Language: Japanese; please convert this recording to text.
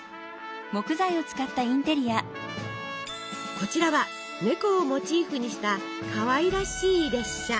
こちらは猫をモチーフにしたかわいらしい列車。